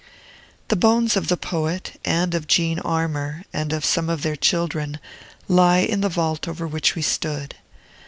The bones of the poet, and of Jean Armour, and of some of their children, lie in the vault over which we stood.